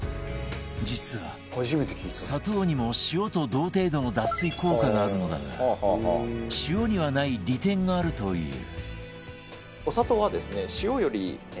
実は砂糖にも塩と同程度の脱水効果があるのだが塩にはない利点があるという